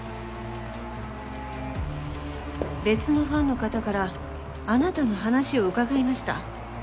別のファンの方からあなたの話を伺いました。